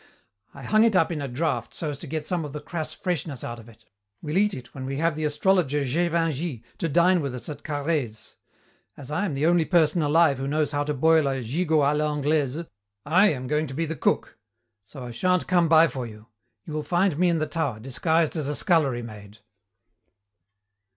"I hung it up in a draft so as to get some of the crass freshness out of it. We'll eat it when we have the astrologer Gévingey to dine with us at Carhaix's. As I am the only person alive who knows how to boil a gigot à l'Anglaise, I am going to be the cook, so I shan't come by for you. You will find me in the tower, disguised as a scullery maid."